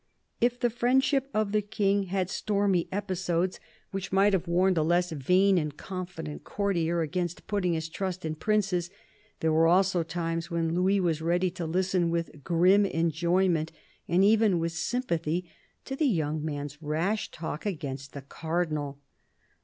If the friendship of the King had stormy episodes which might THE CARDINAL 283 have warned a less vain and confident courtier against putting his trust in princes, there were also times when Louis was ready to listen with grim enjoyment and even with sympathy to the young man's rash talk against the Cardinal.